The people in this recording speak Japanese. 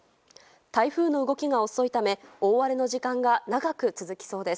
台風の動きが遅いため大荒れの時間が長く続きそうです。